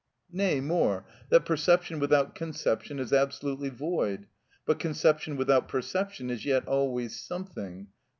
Nay, more, that perception without conception is absolutely void; but conception without perception is yet always something (p.